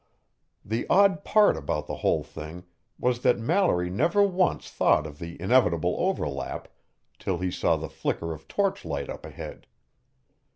The odd part about the whole thing was that Mallory never once thought of the inevitable overlap till he saw the flicker of torchlight up ahead.